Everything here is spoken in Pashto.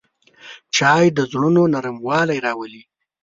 چای د زړونو نرموالی راولي